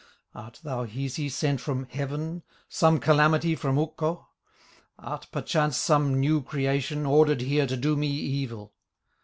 Art thou Hisi sent from heaven, Some calamity from Ukko? Art, perchance, some new creation, Ordered here to do me evil?